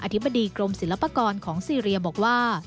ธิบดีกรมศิลปากรของซีเรียบอกว่า